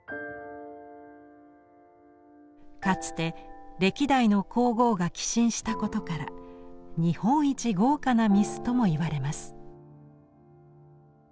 かつて歴代の皇后が寄進したことから「日本一豪華な御簾」ともいわれます。